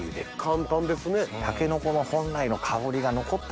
簡単ですね。